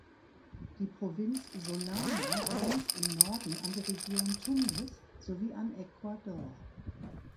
Die Provinz Sullana grenzt im Norden an die Region Tumbes sowie an Ecuador.